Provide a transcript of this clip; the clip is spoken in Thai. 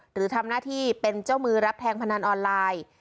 หรือทำหน้าที่เป็นเจ้ามือรับแทงพนันออนไลน์